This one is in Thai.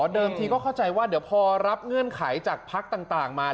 เดิมทีก็เข้าใจว่าเดี๋ยวพอรับเงื่อนไขจากภรรยาปร์ต่างมาแล้ว